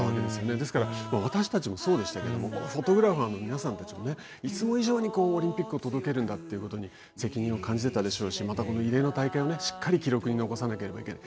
ですから、私たちもそうでしたけどもこのフォトグラファーの皆さんたちもいつも以上にオリンピックを届けるんだということに責任を感じてたでしょうしまた異例の大会をしっかり記録に残さなければいけない